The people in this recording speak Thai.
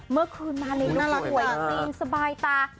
เมื่อคืนมาในวันห่วยสบายตา